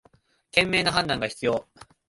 賢明な判断が必要